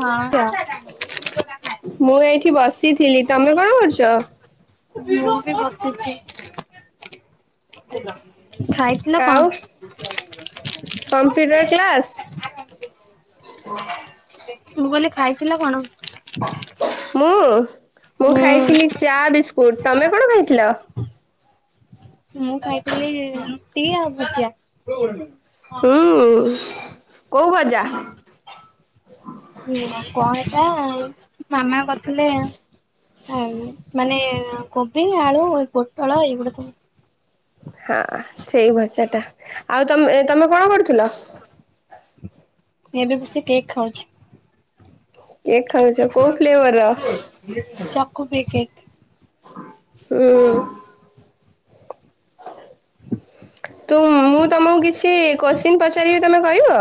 ହଁ। ମୁଁ ଏଇଠି ବସିଥିଲି ତମେ କଣ କରୁଚ? ମୁଁ ବି ବସିଚି। ଆଉ କମ୍ପ୍ୟୁଟର କ୍ଲାସ? [unintelligible] ମୁଁ କହିଲି ଖାଇଥିଲ କଣ? ମୁଁ? ମୁଁ ଖାଇଥିଲି ଚା ବିସ୍କୁଟ। ତମେ କଣ ଖାଇଥିଲ? ମୁଁ ଖାଇଥିଲି ରୁଟି ଆଉ ଭଜା। ହୁଁ କୋଉ ଭଜା? [unintelligible] କଣ ସେଟା ମାମା କରିଥିଲେ ଆଉ ମାନେ କୋବି, ଆଳୁ, ପୋଟଳ ଏଇଗୁଡା ସବୁ ହଁ ସେଇ ଭଜାଟା ଆଉ ତମେ ତମେ କଣ କରୁଥିଲ? ଏବେ ବସି କେକ୍ ଖାଉଛି। କେକ୍ ଖାଉଚ କୋଉ ଫ୍ଲେଭରର? ଚକୁବି କେକ୍। ହୁଁ। [inaudible] ତୁମ୍ ମୁଁ ତମକୁ କିଛି କୋଶ୍ଚିନ୍ ପଚାରିବି ତମେ କହିବ?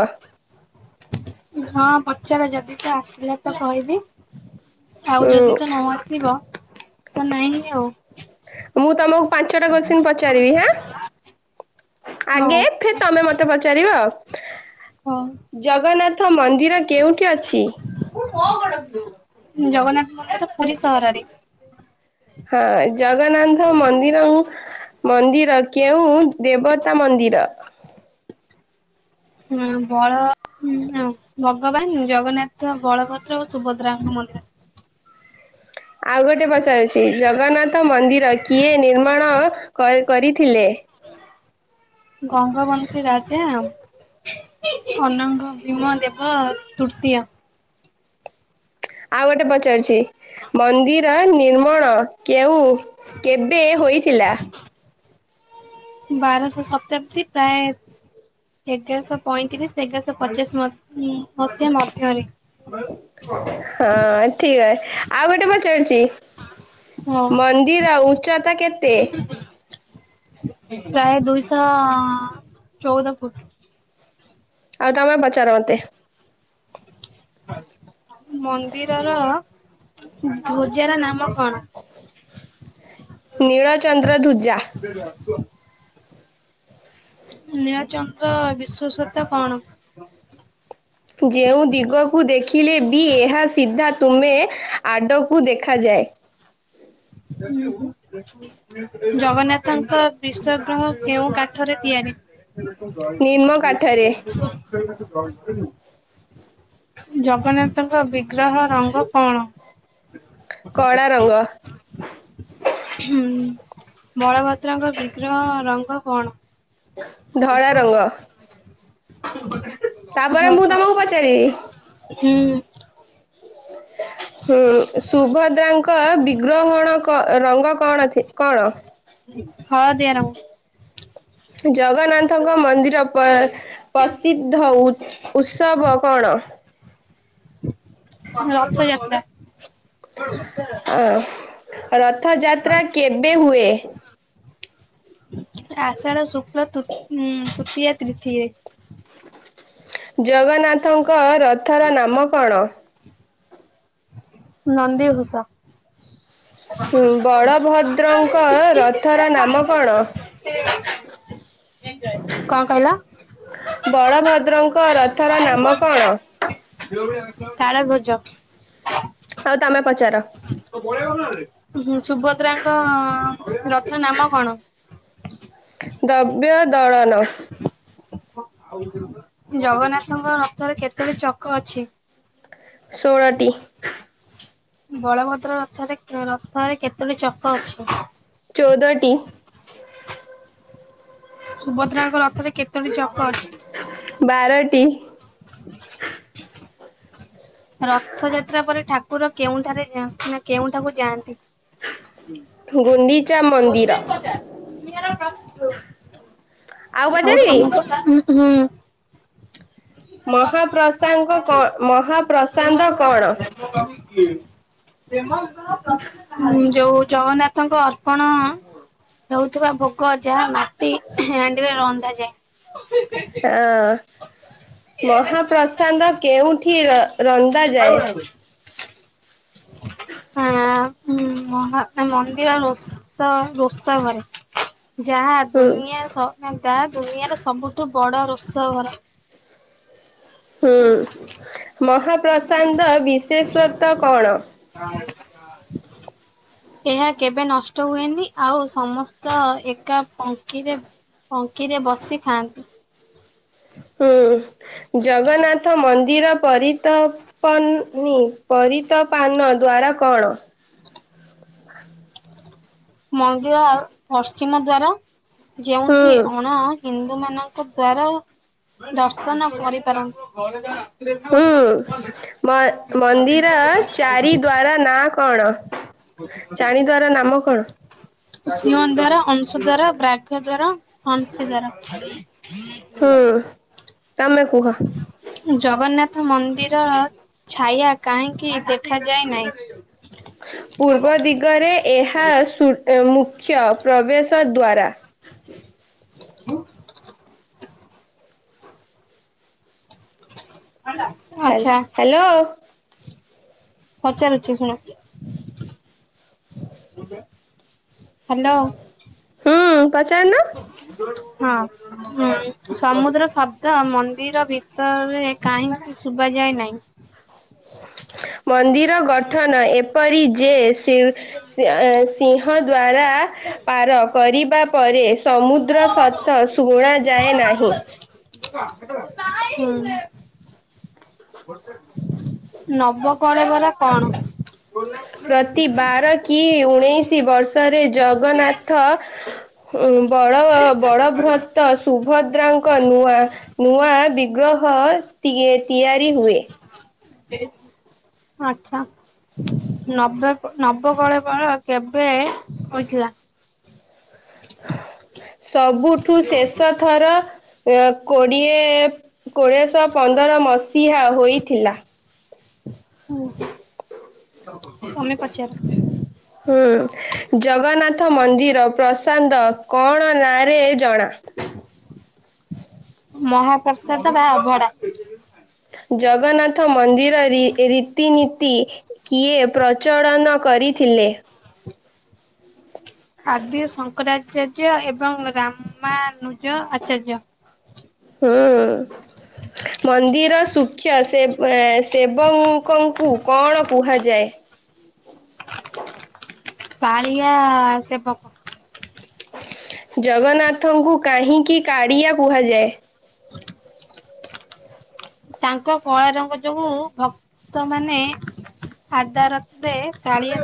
ହଁ ପଚା ଦେଖିଆ ତ ଆସିଲା ତ କହିବି, ଆଉ ହୁଁ ଯଦି ତ ନ ଆସିବ ତ ନାଇଁ ଆଉ। ମୁଁ ତମକୁ ପାଞ୍ଚଟା କୋଶ୍ଚିନ୍ ପଚାରିବି ହାଁ, ହଉ। ଆଗେ ଫିର ତମେ ମତେ ପଚାରିବ ଆଉ। ହଉ। ଜଗନ୍ନାଥ ମନ୍ଦିର କେଉଁଠି ଅଛି? ଜଗନ୍ନାଥ ମନ୍ଦିର ପୁରୀ ସହରରେ। ହଁ ଜଗନ୍ନାଥ ମନ୍ଦିରଂ ମନ୍ଦିର କେଉଁ ଦେବତା ମନ୍ଦିର? ହୁଁ ବଳ ହୁଁ ହଁ ଭଗବାନ ଜଗନ୍ନାଥ ବଳଭଦ୍ର ଓ ସୁଭଦ୍ରାଙ୍କ ମନ୍ଦିର। ଆଉ ଗୋଟେ ପଚାରୁଛି ଜଗନ୍ନାଥ ମନ୍ଦିର କିଏ ନିର୍ମାଣ କରି କରିଥିଲେ। ଗଙ୍ଗବଂଶୀ ରାଜା ଅନଙ୍ଗ ଭୀମ ଦେବ ତୃତୀୟା ଆଉ ଗୋଟେ ପଚାରୁଛି ମନ୍ଦିର ନିର୍ମଣ କେଉଁ କେବେ ହୋଇଥିଲା? ବାରଶହ ଶପ୍ତାବ୍ଦୀ ପ୍ରାୟେ ଏଗାରଶହ ପଇଁତିରିଶ ଏଗାରଶହ ପଚାଶ ମ ମସିହା ମଧ୍ୟରେ। ହଁ ଠିକ ଅଏ ଆଉ ଗୋଟେ ପଚାରୁଛି? ହଁ ମନ୍ଦିର ଉଚ୍ଚତା କେତେ? ପ୍ରାୟେ ଦୁଇଶହ ଚୋଉଦ ଫୁଟ୍। ଆଉ ତାମେ ପଚାର ମତେ? ମନ୍ଦିରର ଧ୍ୱଜାର ନାମ କଣ? ନୀଳଚନ୍ଦ୍ର ଧୁଜା। [inaudible] ନୀଳାଚନ୍ଦ୍ର ବିଶ୍ଵସତା କଣ? ଯେଉଁ ଦିଗକୁ ଦେଖିଲେ ବି ଏହା ସିଧା ତୁମେ ଆଡ କୁ ଦେଖାଯାଏ। ଜଗନ୍ନାଥଙ୍କ ବିଶଗ୍ରହ କେଉଁ କାଠରେ ତିଆରି? ନିମ୍ନ କାଠରେ [inaudible] ଜଗନ୍ନାଥଙ୍କ ବିଘ୍ରହ ରଙ୍ଗ କଣ? କଳା ରଙ୍ଗ। ହୁଁ ବଳଭଦ୍ରଙ୍କ ବିଗ୍ରହ ରଙ୍ଗ କଣ? ଧଳା ରଙ୍ଗ। ତାପରେ ମୁଁ ତମକୁ ହୁଁ ପଚାରିବି? ହୁଁ ସୁଭଦ୍ରାଙ୍କ ବିଗ୍ରହଣ ରଙ୍ଗ କଣ କଣ? ହଳଦୀଆ ରଙ୍ଗ। ଜଗନ୍ନାଥଙ୍କ ମନ୍ଦିର ଚପଦ ପ୍ରସିଦ୍ଧ ଉତ୍ସବ କଣ? ରଥଯାତ୍ରା। ଆଁ ରଥଯାତ୍ରା କେବେ ହୁଏ। ଆଷାଢ ଶୁକ୍ଲ ତୃ ଉ ତୃତୀୟା ତିଥିୀରେ। ଜଗନ୍ନାଥଙ୍କ ରଥର ନାମ କଣ? ନନ୍ଦୀଘୋଷ। ଉଁ ବଳଭଦ୍ରଙ୍କ ରଥର ନାମ କଣ? କଣ କହିଲ? ବଳଭଦ୍ରଙ୍କ ରଥର ନାମ କଣ? ତାଳଧ୍ୱଜ। ଆଉ ତମେ ପଚାର? ହଁ ସୁଭଦ୍ରାଙ୍କ ରଥ ନାମ କଣ? ଦବ୍ୟ ଦଳାନ ଜଗନ୍ନାଥଙ୍କ ରଥରେ କେତୋଟି ଚକ ଅଛି? ଶୋଳଟି। ବଳଭଦ୍ର ରଥରେ ରଥରେ କେତୋଟି ଚକ ଅଛି? ଚଉଦଟି [inaudible] ସୁଭଦ୍ରାଙ୍କ ରଥରେ କେତୋଟି ଚକ ଅଛି? ବାରଟି। [inaudible] ରଥଯାତ୍ରା ପରେ ଠାକୁର କେଉଁଠାରେ ଯାଆ ନା କେଉଁଠାକୁ ଯାଆନ୍ତି? ଗୁନ୍ଡୀଚା ମନ୍ଦିର। ଆଉ ପଚାରିବି? [unintelligible] ମହାପ୍ରସାଦ କଣ? ଯୋଉ ଜଗନ୍ନାଥ ଙ୍କ ଅର୍ପଣ ହଉଥିବା ଭୋଗ ଯାହା ମାଟି ହାଣ୍ଡିରେ ରନ୍ଧା ଯାଏ। ହଁ ମହାପ୍ରସାଦ କେଉଁଠି? ରନ୍ଧାଯାଏ? [inaudible] [inaudible] ଆମ ମନ୍ଦିର ରୋଷ ରୋଷ ଘରେ। ଯାହା ହୁଁ ଦୁନିଆ ଯାହା ଦୁନିଆର ସବୁଠୁ ବଡ଼ ରୋଷ ଘର। ହୁଁ ମହାପ୍ରସାନ୍ତ ବିଶେଷତ କଣ? [inaudible] ଏହା କେବେ ନଷ୍ଟ ହୁଏନି ଆଉ ସମସ୍ତ ଏକା ପକ୍ଷୀରେ ପଙ୍କିରେ ବସି ଖାଆନ୍ତି। ହୁଁ ଜଗନ୍ନାଥ ମନ୍ଦିର ମନ୍ଦରପ ପରିତପାନ ଦ୍ଵାରା କଣ? [inaudible] ମନ୍ଦିର ପଶ୍ଚିମ ଦ୍ଵାରା ଯେଉଠି ହୁଁ ଅଣା ହିନ୍ଦ ଲୋକ ମାନଙ୍କ ଦ୍ଵାରା ଦର୍ଶନ କରିପାରନ୍ତି। ହୁଁ ମନ୍ଦିର ଚାରି ଦ୍ଵାର ନାଁ କଣ? ଚାରି ଦ୍ଵାରା ନାମ କଣ? ସିଂହ ଦ୍ୱାର ଅଂଶ ଦ୍ୱାର ବ୍ରାଭ୍ୟ ଦ୍ଵାର ହନସି ଦ୍ୱାର। ହୁଁ ତମେ କୁହ। ଜଗନ୍ନାଥ ମନ୍ଦିରର ଛାୟା କାହିଁକି ଦେଖାଯାଇନାହିଁ? [inaudible] ପୂର୍ବ ଦିଗରେ ଏହା ମୁଖ୍ୟ ପ୍ରବେଶ ଦ୍ୱାର [inaudible] ହଲ ଆଚ୍ଛା ହ୍ୟାଲୋ। ପଚାରୁଛି ଶୁଣ। ହ୍ୟାଲୋ। ହୁଁ ପଚାରୁନ। ହଁ ହଁ ସମୁଦ୍ର ଶବ୍ଦ ମନ୍ଦିର ଭ ତ କାହିଁକ ଶୁଭାଯାଏ ନହିଁ? ମନ୍ଦିର ଗଠନ ଏପରି ଯେ ସିଂହ ଦ୍ଵାର ପାର କରିବା ପରେ ସମୁଦ୍ର ସତ ଶୁଣାଯାଏ ନାହିଁ। [inaudible] ହଁ। [inaudible] ନବକଳେବର କଣ? ପ୍ରତି ବାର କି ଉ ଉଣେଇଶ ବର୍ଷରେ ଜଗନ୍ନାଥ ବଳ ବଳବ୍ରତ ସୁଭଦ୍ରାଙ୍କ ନୂଆ ନୂଆ ବିଗ୍ରହ ତିଆ ତିଆରି ହୁଏ। ଆଚଛା। ନବେ ନବକଳେ ବର କେବେ ହୋଇଥିଲା? ସବୁଠୁ ଶେଷ ଥର ଅ କୋଡିଏ କୋଡିଏ ଶହ ପନ୍ଦର ମସିହା ହୋଇଥିଲା। ହ ହ ତମେ ପଚାର? ହୁଁ ଜଗନ୍ନାଥ ମନ୍ଦିର ପ୍ରସି ଦ୍ଧ କଣ ନାଁ ରେ ଜଣା? ପ୍ରସାଦ ବା ଅଭଡା। ଜଗନ୍ନାଥ ମନ୍ଦିର ରି ରୀତିନୀତି କିଏ ପ୍ରଚଳନ କରିଥିଲେ? ଆଦି ଶଙ୍କରାଚାର୍ଯ୍ୟ ଏବଂ ରାମାନୁଜ ଆଚାର୍ଯ୍ୟ। ହୁଁ। ମନ୍ଦିର ସୁଖ ସେ ସେବକଙ୍କୁ କଣ କୁହାଯାଏ? ପାଳିଆ ସେ ପକ ଜଗନ୍ନାଥଙ୍କୁ କାହିଁକି କାଳିଆ କୁହାଯାଏ? ତାଙ୍କ କଳା ରଙ୍ଗ ଯୋଗୁ ଭକ୍ତ ମାନେ ଆଗା ରଥରେ କାଳିଆ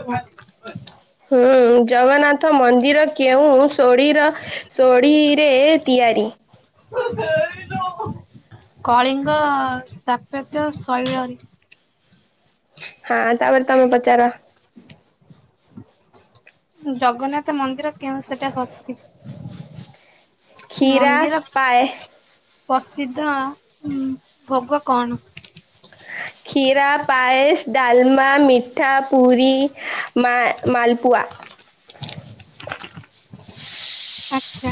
[inaudible] ହୁଁ ଜଗନ୍ନାଥ ମନ୍ଦିର କେଉଁ ସୋଢୀର ଶୋଢୀରେ ତିଆରି। [inaudible] କଳିଙ୍ଗ ସ୍ଥାପତ୍ୟ ଶୈଳରେ ହଁ ତାପରେ ତମେ ପଚାର? ଜଗନ୍ନାଥ ମନ୍ଦିର କେଉ ସେଟା ଶତି? କ୍ଷୀରା ପାଏସ। ପ୍ରସିଦ୍ଧ ଉ ଭୋଗ କଣ? କ୍ଷୀରା ପାଏସ, ଡାଲମା, ମିଠା, ପୁରୀ, ମା ମଲପୁଆ। [inaudible] ଆଛା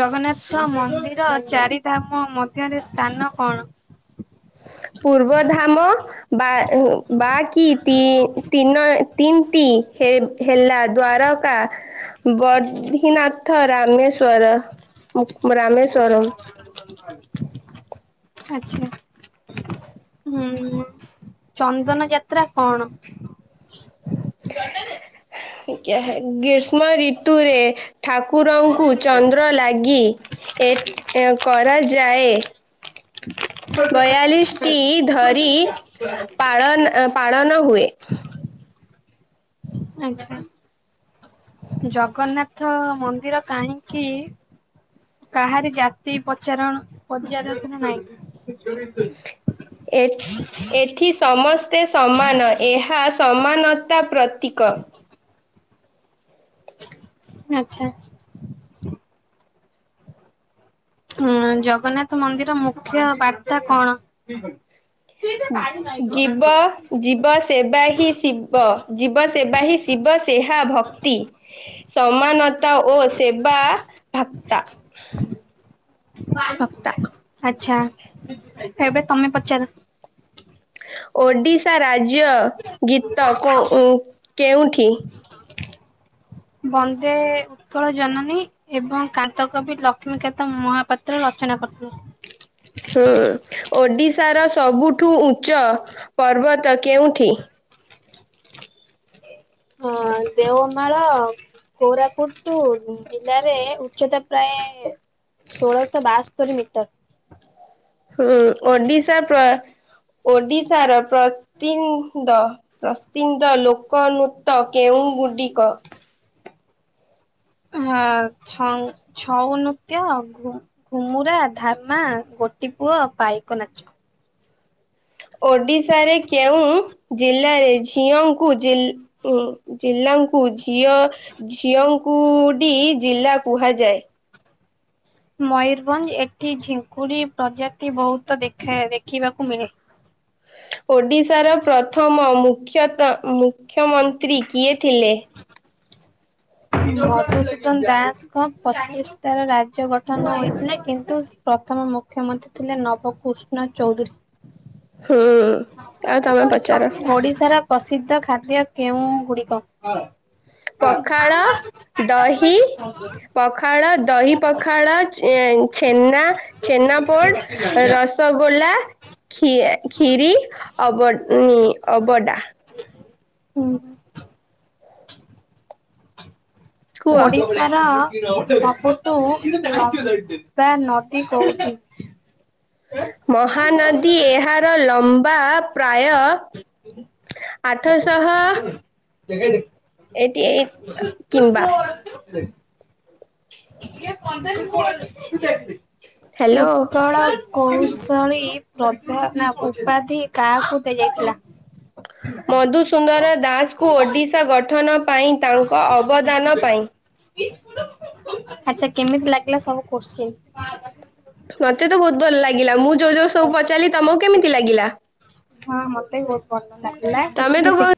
ଜଗନ୍ନାଥ ମନ୍ଦିର ଚାରିଟ ଖ ମଧ୍ୟରେ ସ୍ଥାନ କଣ? ପୂର୍ବଧାମ ବା ବା କି ତି ତିନ ତିନିଟି ହେ ହେଲା ଦ୍ୱାରକା ବଧୀନାଥ ରାମେଶର। ର ରାମେଶ୍ଵରମ୍। ଆଚ୍ଛା। [inaudible] ହୁଁ ଚନ୍ଦନ ଯାତ୍ରା କଣ? ଗ୍ରୀଷ୍ମ ଋତୁରେ ଠାକୁରଙ୍କୁ ଚନ୍ଦ୍ର ଲାଗି ଏ ପ କରା ଯାଏ। ବୟାଳିଶ ଟି ଧରି ରି ପାଳନ ପାଳନ ହୁଏ। ଆଚ୍ଛା। ଜଗନ୍ନାଥ ମନ୍ଦିର କାହିଁକି କାହାରି ଜାତି ପଚାରଣ ପଚାରନ ନାଇଁ। ଏଠି ଏଠି ସମସ୍ତ ସ୍ତେ ସମାନ ଏହା ସମାନତା ପ୍ରତୀକ। ଆଛା। ହ ଜଗନ୍ନାଥ ମନ୍ଦିର ମୁଖ୍ୟ ବାର୍ତା କଣ? ଜୀବ ଜୀବ ସେବା ହିଁ ଶିବ। ଜୀବ ସେବା ହିଁ ଶିବ ସେହା ଭକ୍ତି ସମାନତା ଓ ସେବା ଭାକ୍ତା [unintelligible] ଆଛା ଏବେ ତମେ ପଚାର। ଓଡିଶା ରାଜ୍ୟ ଗୀତ କୋଉ ଉ କେଉଁଠି। ବନ୍ଦେ ଉତ୍କଳ ଜନନୀ ଏବଂ କାନ୍ତ କବି ଲକ୍ଷ୍ମୀକାନ୍ତ ମହାପାତ୍ର ରଥ ନାକ ଫୁଲ ହୁଁ ଓଡିଶାର ସବୁଠୁ ଉଚ୍ଚ ପର୍ବତ କେଉଁଠି। ହଁ ଦେଓମାଳ। କୋରାପୁଟ ଟୁ ଜିଲ୍ଲାରେ ଉଚ୍ଚତା ପ୍ରାୟ ଶୋଳଶ ବାସ୍ତୋରି ମିଟର। ହୁଁ ଓଡିଶା ପ୍ର ଓଡିଶାର ପ୍ରନିନ୍ଦ ପ୍ରସିଦ୍ଦ ଲୋକନତ କେ କେଉଁ ଗୁଡିିକ। ହଁ ଛଉ ଛଉ ନୃତ୍ୟ ଘୁ ଘୁମୁରା ଧାମା ଗୋ ଟି ପୁଅ ପାଇକ ନାଚ। ଓଡିଶାରେ କେଉଁ ଜିଲ୍ଲାରେ ଝିଅଙ୍କୁ ଜି ଉ ଜିଲ୍ଲା ଙ୍କୁ ଝିଅ ଝିଅଙ୍କୁଡି ଜିଲ୍ଲା କୁହାଯାଏ? ମୟୂରଭଞ୍ଜ ଏଠି ଝିଙ୍କୁଡି ପ୍ରଜାତି ବହୁତ ଦେଖା ଦେଖିବାକୁ ମିଳେ। ଓଡିଶାର ପ୍ରଥମ ମୁଖ୍ୟତ ମୁଖ୍ୟମନ୍ତ୍ରୀ କିଏ ଥିଲେ। ମଧୁସୂଦନ ଦାସଙ୍କ ପଚିଶଟାର ରାଜ୍ୟ ଗଠନ ହୋଇଇଥିଲା କିନ୍ତୁ ସେ ପ୍ରଥମ ମୁଖ୍ୟମନ୍ତ୍ରୀ ଥିଲେ ନବକୃଷ୍ଣ ଚୌଧୁରୀ। ହୁଁ ଆଉ ତମେ ପଚାର ଓଡ଼ିଶାର ପ୍ରସିଦ୍ଧ ଖାଦ୍ୟ କେଉଁ ଗୁଡିକ। ପଖାଳ ଦହି ପଖାଳ ଦହି ପଖାଳ ଛେନା ଛେନା ପୋଡ଼ ରସଗୋଲା ଖି ଖୀରୀ ଅବ ଅବଡା। ହୁଁ। କୁହ। ଓଡ଼ିଶାର ସବୁଠୁ ଲମ୍ବା ନଦୀ କଉଠି? ମହାନଦୀ ଏହାର ଲମ୍ବା ପ୍ରାୟ ଆଠଶହ କିମ୍ବା। [unintelligible] ହ୍ୟାଲୋ ଉତ୍କଳ କଉ ଷଳୀ ପ୍ରଧ ନା ଉପାଧି କାହାକୁ ଦେଇ ଯାଇଥିଲା। ମଧୁସୁନ୍ଦର ଦାସଙ୍କୁ ଓଡିଶା ଗଠନ ପାଇଁ ତାଙ୍କ ଅବଦାନ ପାଇଁ। ଆଚ୍ଛା କେମିତି ଲାଗିଲା ସବୁ କୋସ୍ଚିନ୍। ମତେ ତ ବହୁତ ଭଲ ଲାଗିଲା ମୁଁ ଯୋଉ ଯୋଉ ସବୁ ପଚାରିଲି ତମକୁ କେମିତି ଲାଗିଲା। ହଁ ମତେ ବି ବହୁତ ଭଲ ଲାଗିଲା ତମେ କିଛି ତ ବି କହୁଛ ଶି